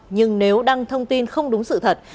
nhưng nếu đăng thông tin không đúng sự thật